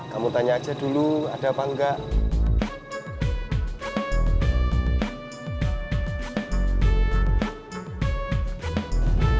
kamu tanya aja dulu ada apa enggak